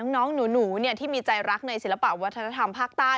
น้องหนูที่มีใจรักในศิลปะวัฒนธรรมภาคใต้